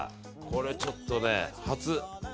これちょっとね、初。